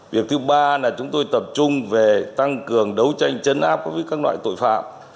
việc thứ ba là chúng tôi tập trung về tăng cường đấu tranh chấn áp với các loại tội phạm